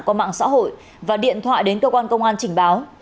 qua mạng xã hội và điện thoại đến cơ quan công an trình báo